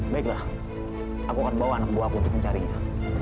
baiklah aku akan bawa anak buahku untuk mencarinya